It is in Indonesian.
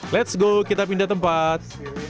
let's go kita pindah tempat